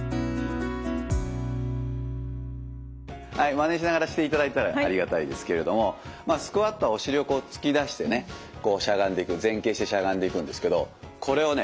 マネしながらしていただいたらありがたいですけれどもスクワットはお尻を突き出してね前傾してしゃがんでいくんですけどこれをね